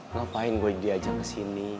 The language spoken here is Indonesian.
ngapain boy diajak kesini